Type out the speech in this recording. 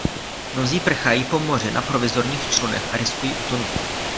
Mnozí prchají po moři na provizorních člunech a riskují utonutí.